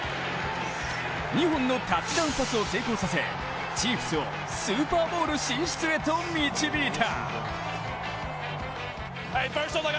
２本のタッチダウンパスを成功させチーフスをスーパーボウル進出へと導いた。